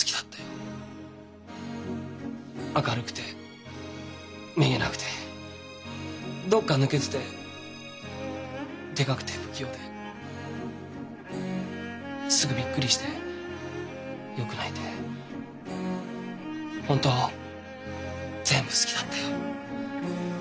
明るくてめげなくてどっか抜けててでかくて不器用ですぐびっくりしてよく泣いて本当全部好きだったよ。